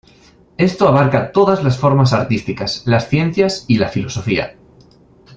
Esto abarca todas las formas artísticas, las ciencias y la filosofía.